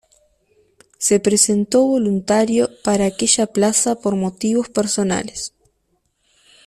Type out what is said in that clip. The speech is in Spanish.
Se presentó voluntario para aquella plaza por motivos personales.